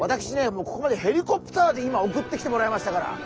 もうここまでヘリコプターで今送ってきてもらいましたから。